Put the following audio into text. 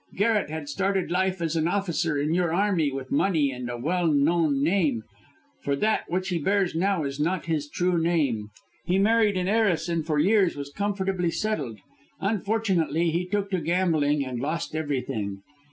Garret had started life as an officer in your army with money and a well known name, for that which he bears now is not his true name. He married an heiress and for years was comfortably settled. Unfortunately, he took to gambling and lost everything.